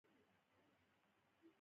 ښه به وي چې اصلي سرچینو ته مراجعه وکړو.